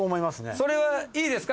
それはいいですか？